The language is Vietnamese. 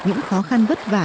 những khó khăn vất vả